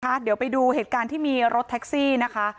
เดี๋ยวไปดูเหตุการณ์ที่มีรถแท็กซี่นะคะ